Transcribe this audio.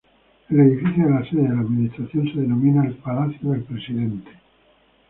El edificio de la sede de la Administración se denomina el Palacio del Presidente.